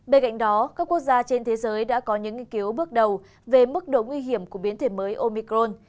bên cạnh đó các quốc gia trên thế giới đã có những nghiên cứu bước đầu về mức độ nguy hiểm của biến thể mới omicron